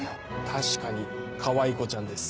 確かにかわいこちゃんです。